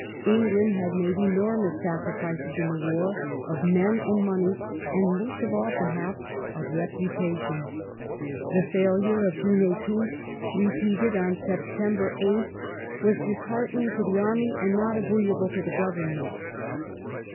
England had made enormous sacrifices in the war ; of men and money, and — most of all perhaps — of reputation. The failure of June 18th, repeated on Septem ber 8th, was disheartening to the army and not agreeable to the Government.